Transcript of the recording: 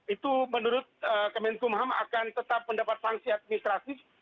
itu menurut kementerian hukum dan ham akan tetap mendapat sanksi administratif